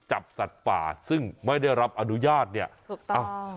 จับสัตว์ป่าซึ่งไม่ได้รับอนุญาตเนี่ยอ้าว